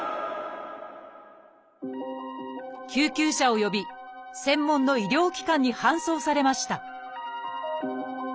救急車を呼び専門の医療機関に搬送されました